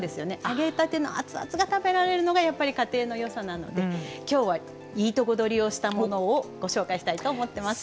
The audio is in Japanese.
揚げたての熱々が食べられるのがやっぱり家庭のよさなので今日はいいとこどりをしたものをご紹介したいと思っています。